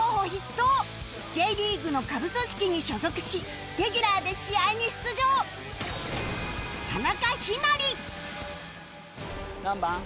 Ｊ リーグの下部組織に所属しレギュラーで試合に出場何番？